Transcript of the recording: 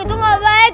itu gak baik